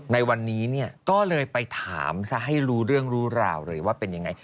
ในวันนี้เนี่ยก็เลยไปถามซะให้รู้เรื่องรู้ราวเลยว่าเป็นยังไง